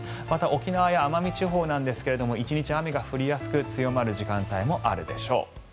また、沖縄や奄美地方なんですが１日雨が降りやすく強まる時間帯もあるでしょう。